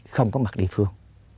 không có mặt địa phương